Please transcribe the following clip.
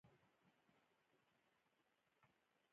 لیکنه د انسان یو خاموشه آواز دئ.